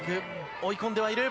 追い込んではいる。